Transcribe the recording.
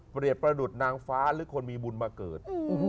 เรียดประดุษนางฟ้าหรือคนมีบุญมาเกิด